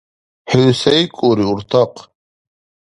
ХӀу сейкӀулри, уртахъ!?